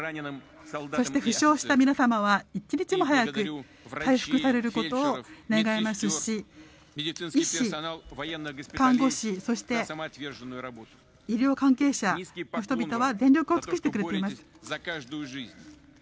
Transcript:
そして負傷した皆様は一日も早く回復されることを願いますし医師、看護師、そして医療関係者の人々は全力を尽くしてくれています。